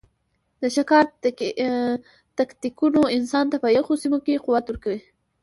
د ښکار تکتیکونو انسان ته په یخو سیمو کې قوت ورکړ.